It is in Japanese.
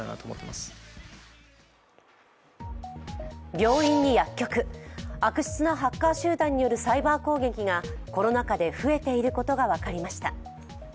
病院に薬局、悪質なハッカー集団によるサイバー攻撃がコロナ禍で増えていることが分かりました。